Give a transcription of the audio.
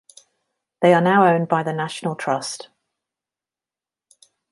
They are now owned by the National Trust.